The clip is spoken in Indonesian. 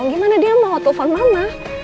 gimana dia mau telepon mama